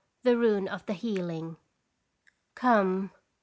THE RUNE OF THE HEALING. Come!